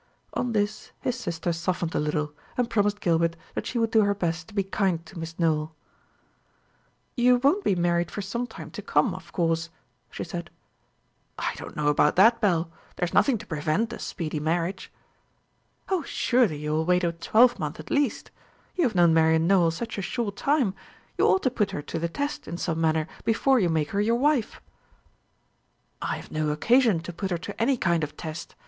On this his sister softened a little, and promised Gilbert that she would do her best to be kind to Miss Nowell. "You won't be married for some time to come, of course," she said. "I don't know about that, Belle. There is nothing to prevent a speedy marriage." "O, surely you will wait a twelvemonth, at least. You have known Marian Nowell such a short time. You ought to put her to the test in some manner before you make her your wife." "I have no occasion to put her to any kind of test.